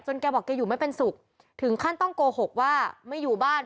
แกบอกแกอยู่ไม่เป็นสุขถึงขั้นต้องโกหกว่าไม่อยู่บ้าน